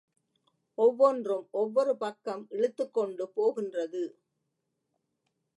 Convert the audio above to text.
ஒவ்வொன்றும் ஒவ்வொரு பக்கம் இழுத்துக் கொண்டு போகின்றது.